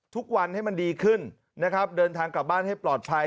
ทุกวันให้มันดีขึ้นนะครับเดินทางกลับบ้านให้ปลอดภัย